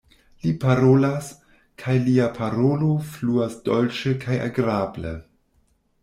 Li parolas, kaj lia parolo fluas dolĉe kaj agrable.